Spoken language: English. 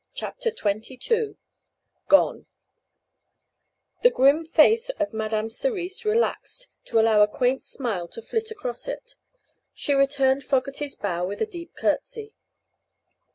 CHAPTER XXII GONE The grim face of Madame Cerise relaxed to allow a quaint smile to flit across it. She returned Fogerty's bow with a deep curtsy.